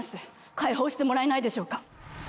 解放してもらえないでしょうか。